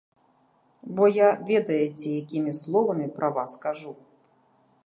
Бо я ведаеце якімі словамі пра вас кажу.